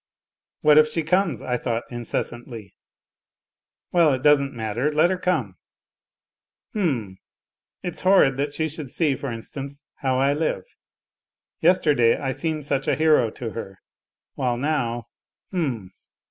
" What if she comes," I thought incessantly, " well, it doesn't matter, let her come ! H'm ! it's horrid that she should see, for instance, how I live. Yesterday I seemed such a hero to her, while now, h'm